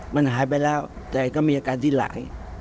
มันหายไปแล้วแต่ก็มีอาการที่ไหล